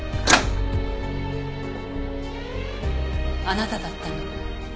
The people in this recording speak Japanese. あなただったの？